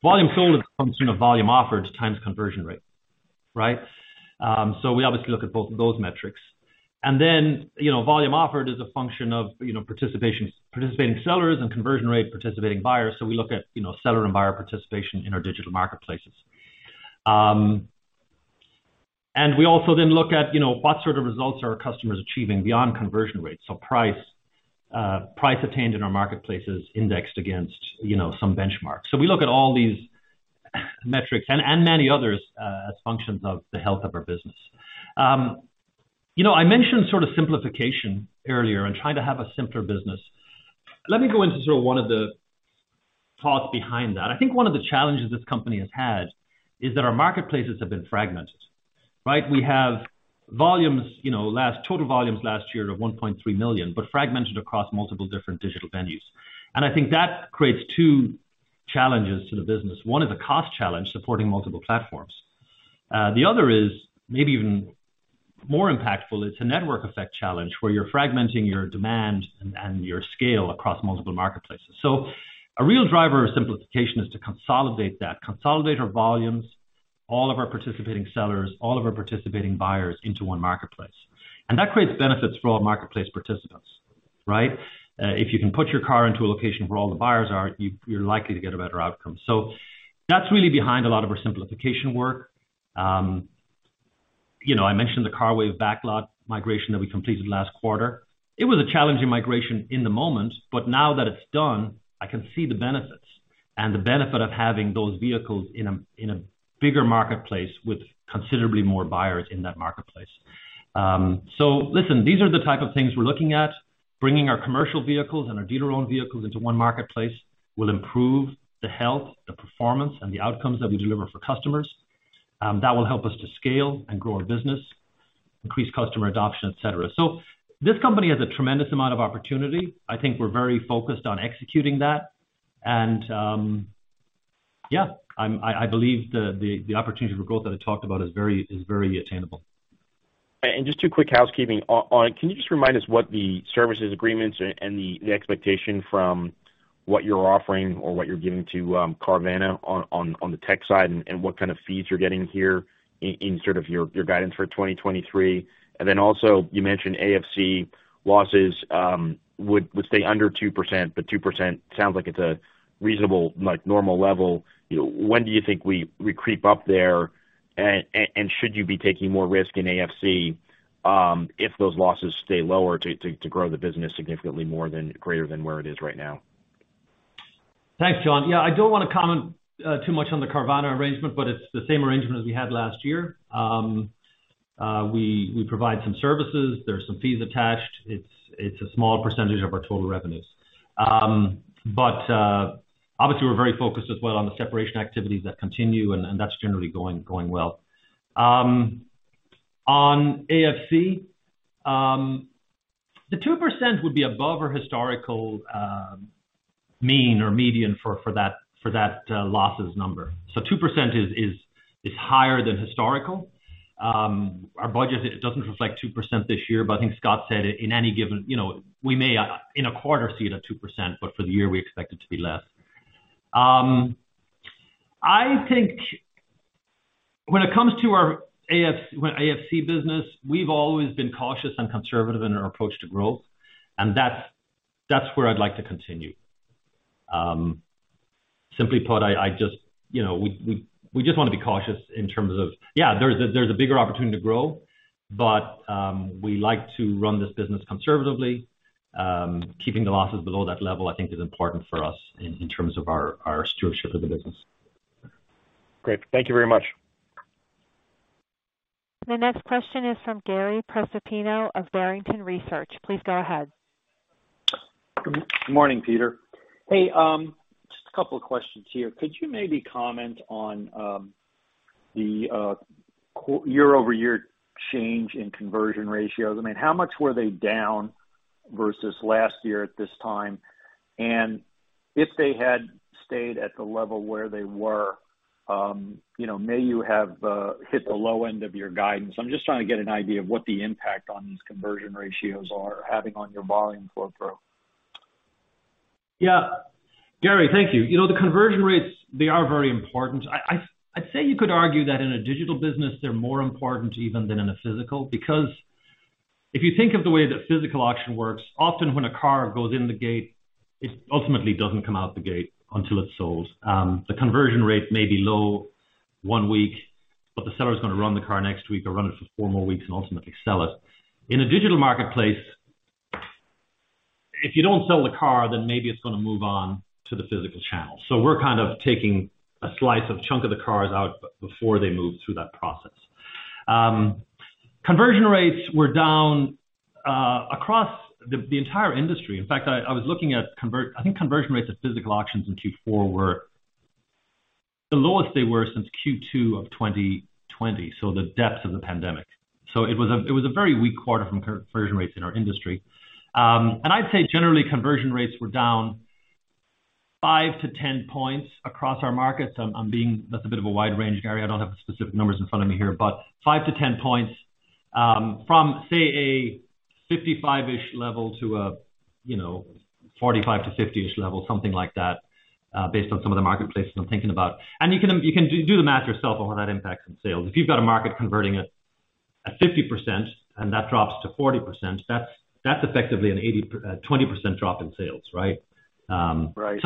Volume sold is a function of volume offered times conversion rate, right? We obviously look at both of those metrics. You know, volume offered is a function of, you know, participating sellers and conversion rate participating buyers. We look at, you know, seller and buyer participation in our digital marketplaces. We also look at, you know, what sort of results are our customers achieving beyond conversion rates. Price, price attained in our marketplaces indexed against, you know, some benchmarks. We look at all these metrics and many others as functions of the health of our business. You know, I mentioned sort of simplification earlier and trying to have a simpler business. Let me go into sort of one of the thoughts behind that. I think one of the challenges this company has had is that our marketplaces have been fragmented, right? We have volumes, you know, total volumes last year of $1.3 million, but fragmented across multiple different digital venues. I think that creates two challenges to the business. One is a cost challenge supporting multiple platforms. The other is maybe even more impactful. It's a network effect challenge, where you're fragmenting your demand and your scale across multiple marketplaces. So a real driver of simplification is to consolidate that, consolidate our volumes, all of our participating sellers, all of our participating buyers into one marketplace. That creates benefits for all marketplace participants, right? If you can put your car into a location where all the buyers are, you're likely to get a better outcome. That's really behind a lot of our simplification work. You know, I mentioned the CARWAVE backlog migration that we completed last quarter. It was a challenging migration in the moment, but now that it's done, I can see the benefits and the benefit of having those vehicles in a bigger marketplace with considerably more buyers in that marketplace. Listen, these are the type of things we're looking at. Bringing our commercial vehicles and our dealer-owned vehicles into one marketplace will improve the health, the performance, and the outcomes that we deliver for customers. That will help us to scale and grow our business, increase customer adoption, et cetera. This company has a tremendous amount of opportunity. I think we're very focused on executing that. Yeah, I believe the opportunity for growth that I talked about is very attainable. Just two quick housekeeping. Can you just remind us what the services agreements and the expectation from what you're offering or what you're giving to Carvana on the tech side and what kind of fees you're getting here in sort of your guidance for 2023? Then also you mentioned AFC losses would stay under 2%, but 2% sounds like it's a reasonable, like normal level. You know, when do you think we creep up there? Should you be taking more risk in AFC if those losses stay lower to grow the business significantly more than greater than where it is right now? Thanks, John. I don't wanna comment too much on the Carvana arrangement, it's the same arrangement as we had last year. We provide some services. There's some fees attached. It's a small percentage of our total revenues. Obviously, we're very focused as well on the separation activities that continue and that's generally going well. On AFC, the 2% would be above our historical mean or median for that losses number. 2% is higher than historical. Our budget, it doesn't reflect 2% this year, I think Scott said it in any given, you know, we may in a quarter see it at 2%, for the year we expect it to be less. I think when it comes to our AFC business, we've always been cautious and conservative in our approach to growth. That's where I'd like to continue. Simply put, I just, you know, we just wanna be cautious in terms of, yeah, there's a bigger opportunity to grow, but we like to run this business conservatively. Keeping the losses below that level I think is important for us in terms of our stewardship of the business. Great. Thank you very much. The next question is from Gary Prestopino of Barrington Research. Please go ahead. Good morning, Peter. Hey, just a couple of questions here. Could you maybe comment on the year-over-year change in conversion ratios? I mean, how much were they down versus last year at this time? If they had stayed at the level where they were, you know, may you have hit the low end of your guidance. I'm just trying to get an idea of what the impact on these conversion ratios are having on your volume for growth. Yeah. Gary, thank you. You know, the conversion rates, they are very important. I'd say you could argue that in a digital business, they're more important even than in a physical. If you think of the way the physical auction works, often when a car goes in the gate, it ultimately doesn't come out the gate until it's sold. The conversion rate may be low one week, the seller's gonna run the car next week or run it for four more weeks and ultimately sell it. In a digital marketplace, if you don't sell the car, maybe it's gonna move on to the physical channel. We're kind of taking a slice of chunk of the cars out before they move through that process. Conversion rates were down across the entire industry. In fact, I was looking at conversion rates at physical auctions in Q4 were the lowest they were since Q2 of 2020, so the depths of the pandemic. It was a very weak quarter from conversion rates in our industry. I'd say generally conversion rates were down 5 to 10 points across our markets. I'm being that's a bit of a wide range, Gary. I don't have the specific numbers in front of me here, but 5 to 10 points, from, say, a 55-ish level to a, you know, 45 to 50-ish level, something like that, based on some of the marketplaces I'm thinking about. You can do the math yourself on what that impacts in sales. If you've got a market converting at 50% and that drops to 40%, that's effectively a 20% drop in sales, right? Right.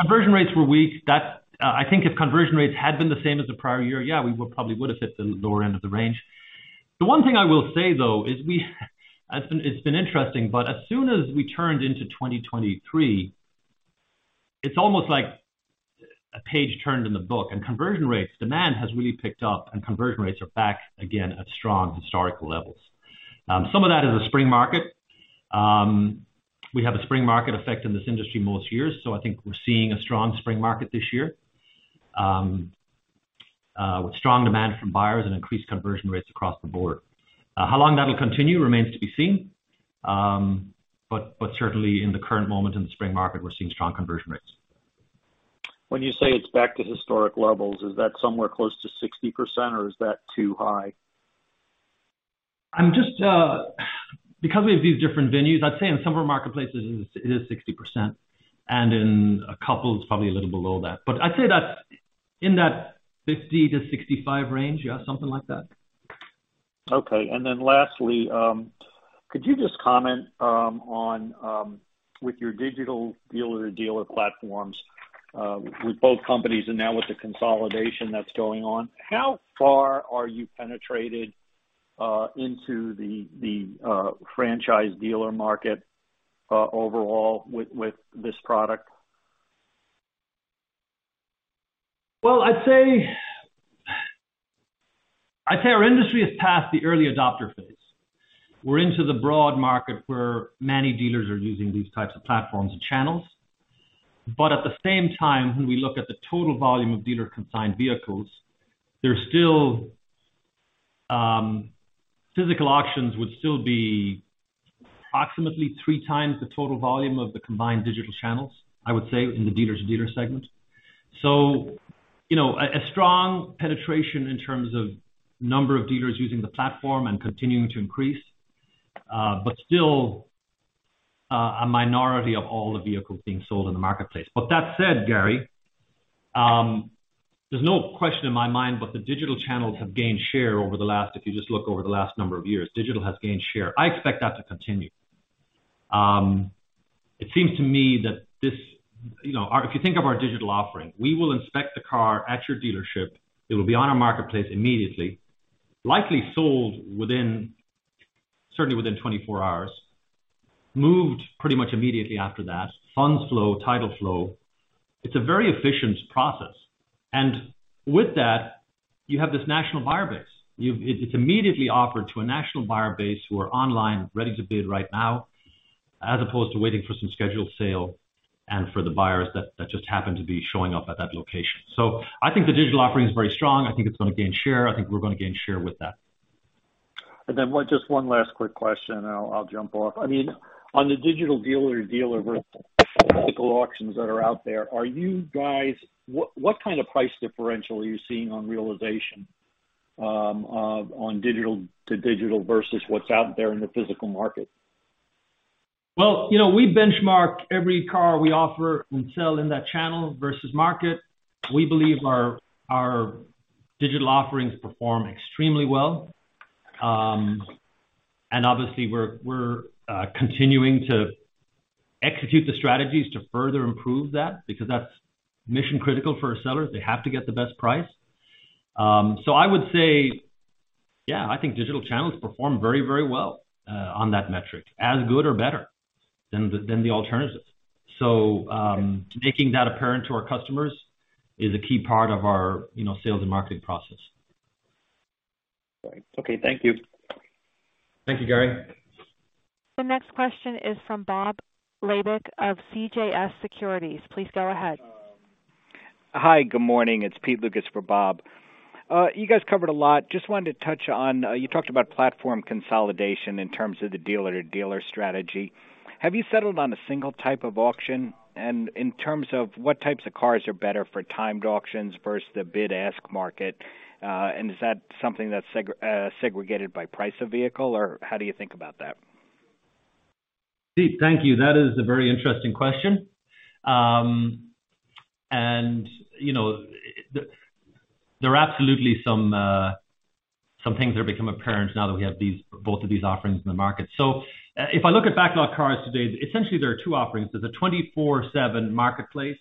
Conversion rates were weak. That's, I think if conversion rates had been the same as the prior year, yeah, we would probably have hit the lower end of the range. The one thing I will say, though, is it's been interesting, but as soon as we turned into 2023, it's almost like a page turned in the book and conversion rates demand has really picked up and conversion rates are back again at strong historical levels. Some of that is the spring market. We have a spring market effect in this industry most years, so I think we're seeing a strong spring market this year, with strong demand from buyers and increased conversion rates across the board. How long that'll continue remains to be seen, but certainly in the current moment in the spring market, we're seeing strong conversion rates. When you say it's back to historic levels, is that somewhere close to 60% or is that too high? I'm just, because we have these different venues, I'd say in some of our marketplaces it is 60%, and in a couple it's probably a little below that. I'd say that's in that 50%-65% range, yeah, something like that. Okay. Lastly, could you just comment on with your digital dealer to dealer platforms, with both companies and now with the consolidation that's going on, how far are you penetrated into the franchise dealer market, overall with this product? I'd say our industry is past the early adopter phase. We're into the broad market where many dealers are using these types of platforms and channels. At the same time, when we look at the total volume of dealer-consigned vehicles, they're still physical auctions would still be approximately three times the total volume of the combined digital channels, I would say, in the dealers to dealer segment. You know, a strong penetration in terms of number of dealers using the platform and continuing to increase, but still a minority of all the vehicles being sold in the marketplace. That said, Gary, there's no question in my mind, but the digital channels have gained share. If you just look over the last number of years, digital has gained share. I expect that to continue. It seems to me that this, you know, if you think of our digital offering, we will inspect the car at your dealership. It will be on our marketplace immediately, likely sold within, certainly within 24 hours, moved pretty much immediately after that. Funds flow, title flow. It's a very efficient process. With that, you have this national buyer base. You've it's immediately offered to a national buyer base who are online ready to bid right now, as opposed to waiting for some scheduled sale and for the buyers that just happen to be showing up at that location. I think the digital offering is very strong. I think it's gonna gain share. I think we're gonna gain share with that. One, just one last quick question and I'll jump off. I mean, on the digital dealer to dealer versus auctions that are out there, what kind of price differential are you seeing on realization on digital to digital versus what's out there in the physical market? Well, you know, we benchmark every car we offer and sell in that channel versus market. We believe our digital offerings perform extremely well. Obviously we're continuing to execute the strategies to further improve that because that's mission critical for our sellers. They have to get the best price. I would say, yeah, I think digital channels perform very, very well on that metric, as good or better than the alternatives. Making that apparent to our customers is a key part of our, you know, sales and marketing process. Great. Okay. Thank you. Thank you, Gary. The next question is from Bob Labick of CJS Securities. Please go ahead. Hi, good morning. It's Peter Lukas for Bob. You guys covered a lot. Just wanted to touch on, you talked about platform consolidation in terms of the dealer to dealer strategy. Have you settled on a single type of auction? In terms of what types of cars are better for timed auctions versus the bid ask market, and is that something that's segregated by price of vehicle or how do you think about that? Pete, thank you. That is a very interesting question. You know, there are absolutely some things that have become apparent now that we have both of these offerings in the market. If I look at BacklotCars today, essentially there are two offerings. There's a 24/7 marketplace,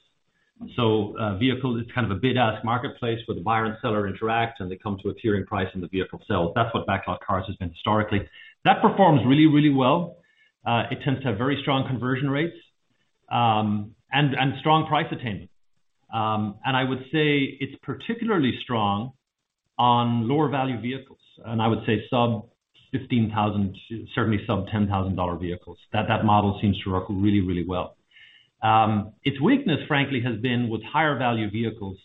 vehicles is kind of a bid ask marketplace where the buyer and seller interact and they come to a clearing price and the vehicle sells. That's what BacklotCars has been historically. That performs really, really well. It tends to have very strong conversion rates and strong price attainment. I would say it's particularly strong on lower value vehicles, I would say sub $15,000, certainly sub $10,000 dollar vehicles. That model seems to work really, really well. Its weakness frankly has been with higher value vehicles,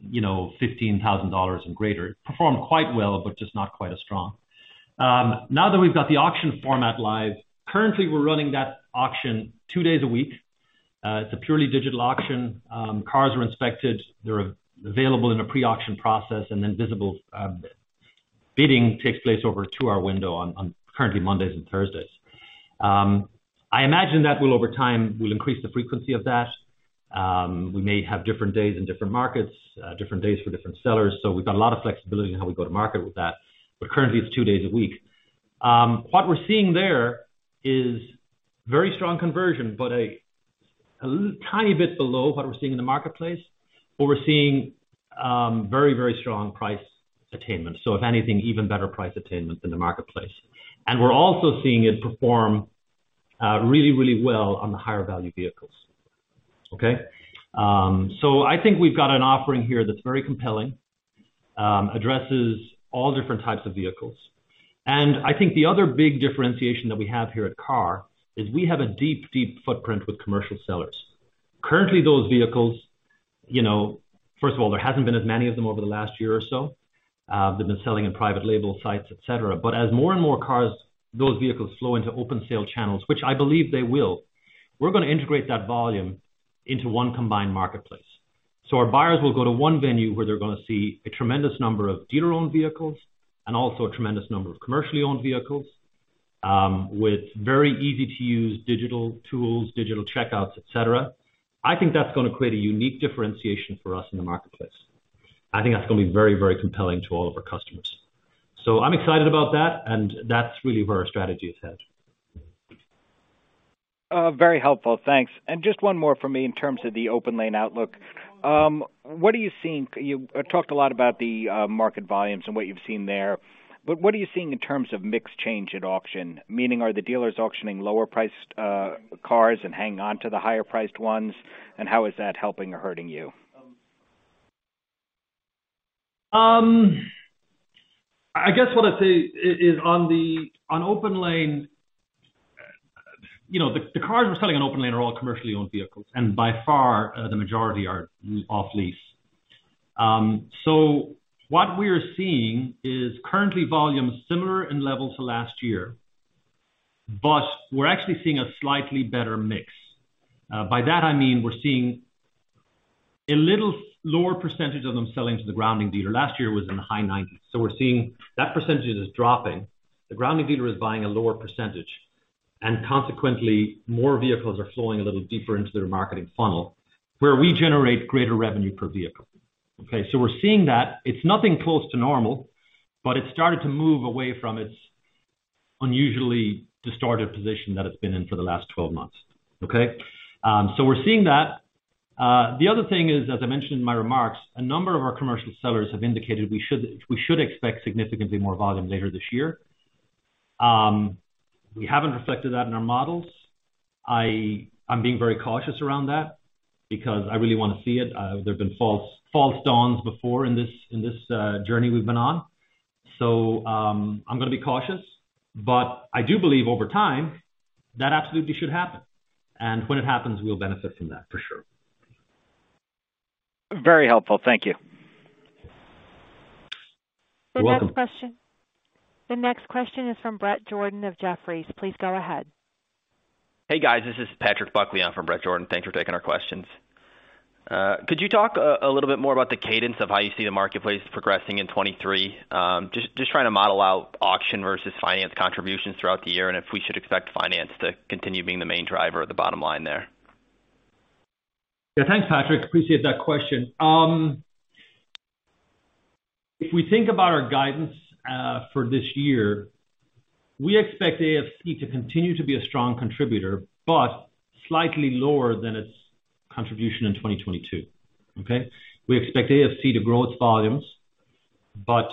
you know, $15,000 and greater. Performed quite well, but just not quite as strong. Now that we've got the auction format live, currently we're running that auction two days a week. It's a purely digital auction. Cars are inspected, they're available in a pre-auction process and then visible, bidding takes place over a two-hour window on currently Mondays and Thursdays. I imagine that will over time we'll increase the frequency of that. We may have different days in different markets, different days for different sellers. We've got a lot of flexibility in how we go to market with that. Currently it's two days a week. What we're seeing there is very strong conversion, but a tiny bit below what we're seeing in the marketplace, but we're seeing very, very strong price attainment. If anything, even better price attainment than the marketplace. We're also seeing it perform really, really well on the higher value vehicles. Okay? I think we've got an offering here that's very compelling, addresses all different types of vehicles. I think the other big differentiation that we have here at KAR is we have a deep, deep footprint with commercial sellers. Currently those vehicles, you know, first of all, there hasn't been as many of them over the last year or so, they've been selling in private label sites, et cetera. As more and more cars, those vehicles flow into open sale channels, which I believe they will, we're gonna integrate that volume into one combined marketplace. Our buyers will go to one venue where they're gonna see a tremendous number of dealer owned vehicles and also a tremendous number of commercially owned vehicles, with very easy to use digital tools, digital checkouts, et cetera. I think that's gonna create a unique differentiation for us in the marketplace. I think that's gonna be very, very compelling to all of our customers. I'm excited about that and that's really where our strategy is head. Very helpful. Thanks. Just one more for me in terms of the OPENLANE outlook. What are you seeing? You talked a lot about the market volumes and what you've seen there, but what are you seeing in terms of mix change at auction? Meaning are the dealers auctioning lower priced cars and hanging on to the higher priced ones? How is that helping or hurting you? I guess what I'd say is on OPENLANE, you know, the cars we're selling on OPENLANE are all commercially owned vehicles, by far the majority are off lease. What we're seeing is currently volume similar in level to last year, we're actually seeing a slightly better mix. By that I mean we're seeing a little lower percentage of them selling to the grounding dealer. Last year was in the high 90s. We're seeing that percentage is dropping. The grounding dealer is buying a lower percentage, consequently more vehicles are flowing a little deeper into their marketing funnel where we generate greater revenue per vehicle. Okay? We're seeing that. It's nothing close to normal, it's started to move away from its unusually distorted position that it's been in for the last 12 months. Okay? We're seeing that. The other thing is, as I mentioned in my remarks, a number of our commercial sellers have indicated we should expect significantly more volume later this year. We haven't reflected that in our models. I'm being very cautious around that because I really wanna see it. There have been false dawns before in this journey we've been on. I'm gonna be cautious, but I do believe over time that absolutely should happen. When it happens we'll benefit from that for sure. Very helpful. Thank you. You're welcome. The next question is from Bret Jordan of Jefferies. Please go ahead. Hey guys, this is Patrick Buckley. I'm from Bret Jordan. Thanks for taking our questions. Could you talk a little bit more about the cadence of how you see the marketplace progressing in 2023? Just trying to model out auction versus finance contributions throughout the year, and if we should expect finance to continue being the main driver of the bottom line there. Thanks Patrick, appreciate that question. If we think about our guidance for this year, we expect AFC to continue to be a strong contributor, but slightly lower than its contribution in 2022. We expect AFC to grow its volumes, but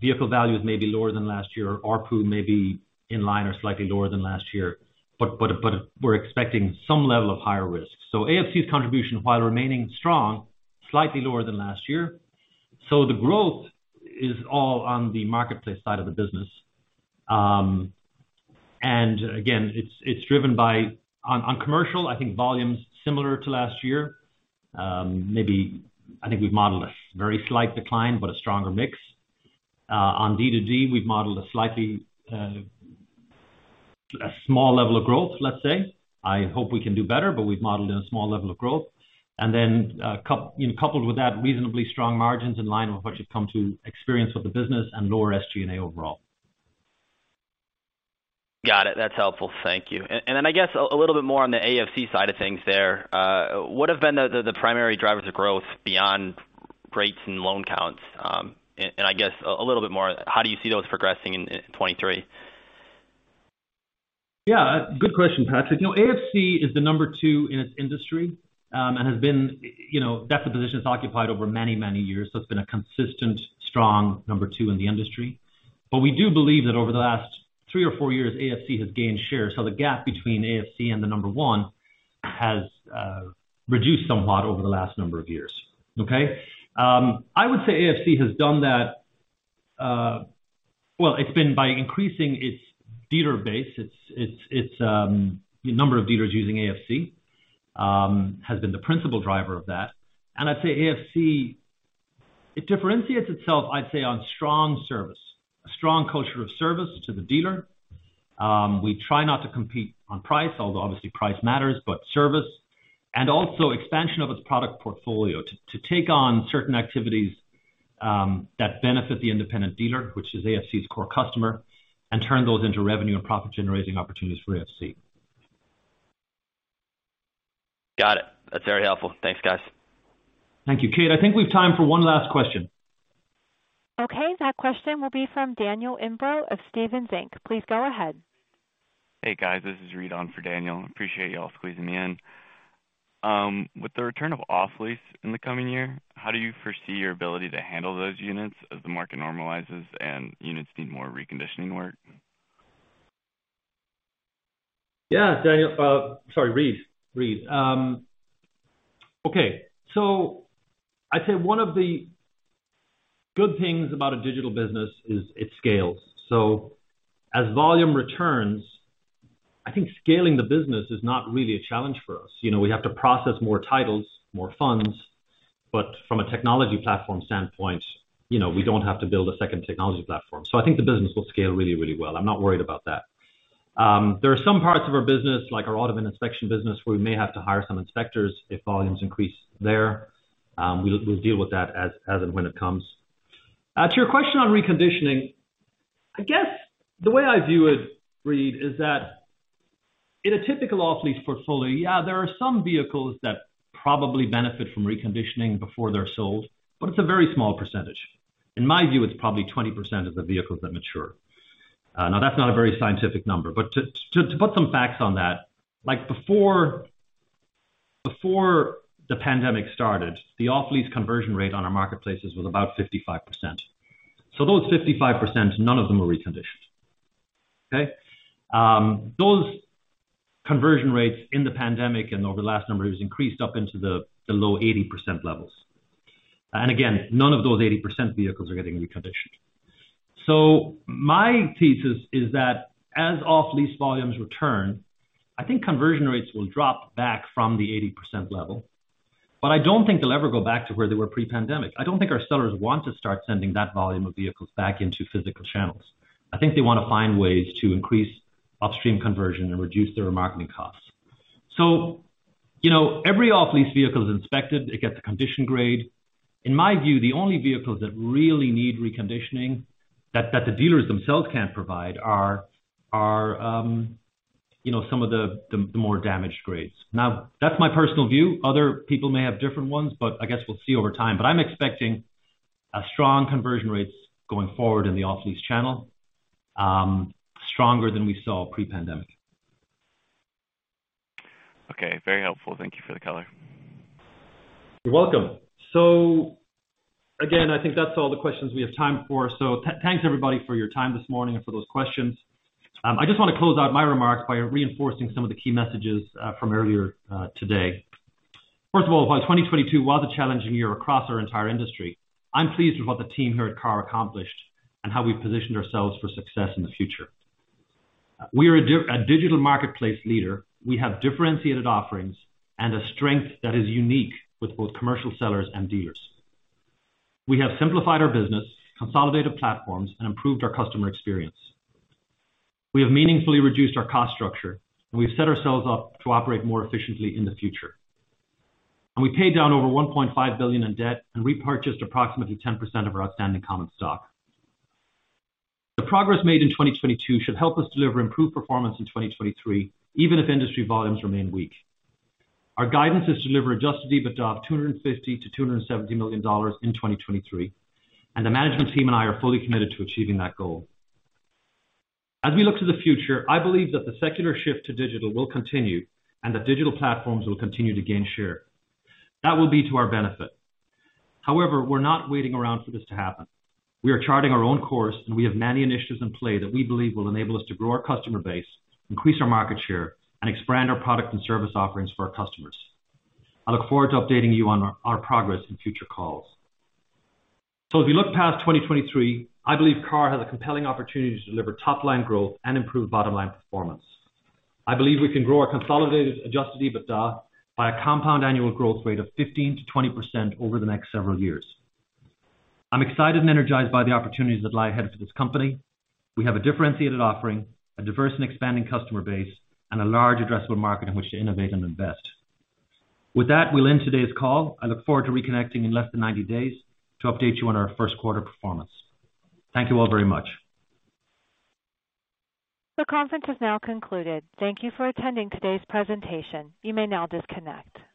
vehicle values may be lower than last year. ARPU may be in line or slightly lower than last year, but we're expecting some level of higher risk. AFC's contribution while remaining strong, slightly lower than last year. The growth is all on the marketplace side of the business. Again, it's driven by. On commercial, I think volume's similar to last year. Maybe I think we've modeled a very slight decline, but a stronger mix. On D2D, we've modeled a slightly, a small level of growth, let's say. I hope we can do better, but we've modeled in a small level of growth. You know, coupled with that, reasonably strong margins in line with what you've come to experience with the business and lower SG&A overall. Got it. That's helpful. Thank you. Then I guess a little bit more on the AFC side of things there. What have been the primary drivers of growth beyond rates and loan counts? I guess a little bit more, how do you see those progressing in 2023? Yeah, good question, Patrick. You know, AFC is the number two in its industry, and has been, you know, that's the position it's occupied over many, many years, so it's been a consistent strong number two in the industry. We do believe that over the last three or four years, AFC has gained shares. The gap between AFC and the number one has reduced somewhat over the last number of years. Okay. I would say AFC has done that. Well, it's been by increasing its dealer base. It's the number of dealers using AFC has been the principal driver of that. I'd say AFC, it differentiates itself, I'd say, on strong service, a strong culture of service to the dealer. We try not to compete on price, although obviously price matters, but service. Also expansion of its product portfolio to take on certain activities, that benefit the independent dealer, which is AFC's core customer, and turn those into revenue and profit-generating opportunities for AFC. Got it. That's very helpful. Thanks, guys. Thank you. Kate, I think we've time for one last question. Okay. That question will be from Daniel Imbro of Stephens Inc. Please go ahead. Hey, guys. This is Reed on for Daniel. Appreciate y'all squeezing me in. With the return of off-lease in the coming year, how do you foresee your ability to handle those units as the market normalizes and units need more reconditioning work? Yeah. Daniel, Sorry, Reed. Reed. Okay. I'd say one of the good things about a digital business is it scales. As volume returns, I think scaling the business is not really a challenge for us. You know, we have to process more titles, more funds, but from a technology platform standpoint, you know, we don't have to build a second technology platform. I think the business will scale really, really well. I'm not worried about that. There are some parts of our business, like our auto inspection business, where we may have to hire some inspectors if volumes increase there. We'll deal with that as and when it comes. To your question on reconditioning, I guess the way I view it, Reed, is that in a typical off-lease portfolio, yeah, there are some vehicles that probably benefit from reconditioning before they're sold, but it's a very small percentage. In my view, it's probably 20% of the vehicles that mature. Now that's not a very scientific number, but to put some facts on that, like before the pandemic started, the off-lease conversion rate on our marketplaces was about 55%. Those 55%, none of them were reconditioned. Okay. Those conversion rates in the pandemic and over the last number has increased up into the low 80% levels. Again, none of those 80% vehicles are getting reconditioned. My thesis is that as off-lease volumes return, I think conversion rates will drop back from the 80% level. I don't think they'll ever go back to where they were pre-pandemic. I don't think our sellers want to start sending that volume of vehicles back into physical channels. I think they wanna find ways to increase upstream conversion and reduce their marketing costs. You know, every off-lease vehicle is inspected, it gets a condition grade. In my view, the only vehicles that really need reconditioning that the dealers themselves can't provide are, you know, some of the more damaged grades. That's my personal view. Other people may have different ones, I guess we'll see over time. I'm expecting a strong conversion rates going forward in the off-lease channel, stronger than we saw pre-pandemic. Okay. Very helpful. Thank you for the color. You're welcome. Again, I think that's all the questions we have time for. So thanks everybody for your time this morning and for those questions. I just wanna close out my remarks by reinforcing some of the key messages from earlier today. First of all, while 2022 was a challenging year across our entire industry, I'm pleased with what the team here at KAR accomplished and how we positioned ourselves for success in the future. We are a digital marketplace leader. We have differentiated offerings and a strength that is unique with both commercial sellers and dealers. We have simplified our business, consolidated platforms, and improved our customer experience. We have meaningfully reduced our cost structure, and we've set ourselves up to operate more efficiently in the future. We paid down over $1.5 billion in debt and repurchased approximately 10% of our outstanding common stock. The progress made in 2022 should help us deliver improved performance in 2023, even if industry volumes remain weak. Our guidance is to deliver Adjusted EBITDA of $250 million-$270 million in 2023, and the management team and I are fully committed to achieving that goal. As we look to the future, I believe that the secular shift to digital will continue and that digital platforms will continue to gain share. That will be to our benefit. However, we're not waiting around for this to happen. We are charting our own course, and we have many initiatives in play that we believe will enable us to grow our customer base, increase our market share, and expand our product and service offerings for our customers. I look forward to updating you on our progress in future calls. As we look past 2023, I believe KAR has a compelling opportunity to deliver top-line growth and improve bottom-line performance. I believe we can grow our consolidated Adjusted EBITDA by a compound annual growth rate of 15%-20% over the next several years. I'm excited and energized by the opportunities that lie ahead for this company. We have a differentiated offering, a diverse and expanding customer base, and a large addressable market in which to innovate and invest. With that, we'll end today's call. I look forward to reconnecting in less than 90 days to update you on our first quarter performance. Thank you all very much. The conference has now concluded. Thank you for attending today's presentation. You may now disconnect.